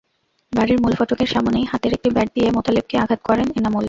বাড়ির মূল ফটকের সামনেই হাতের একটি ব্যাট দিয়ে মোতালেবকে আঘাত করেন এনামুল।